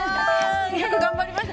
よく頑張りました。